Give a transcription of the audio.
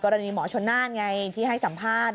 กรณีหมอชนน่านไงที่ให้สัมภาษณ์